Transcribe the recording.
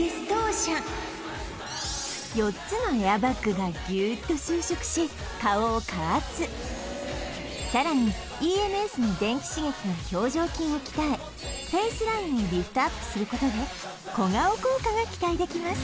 ４つのエアバッグがギューっと収縮し顔を加圧さらにが表情筋を鍛えフェイスラインをリフトアップすることで小顔効果が期待できます